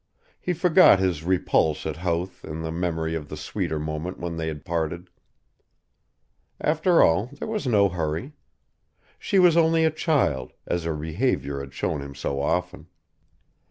He forgot his repulse at Howth in the memory of the sweeter moment when they had parted. After all there was no hurry. She was only a child, as her behaviour had shown him so often.